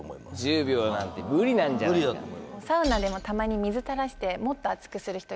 １０秒なんて無理なんじゃないかと。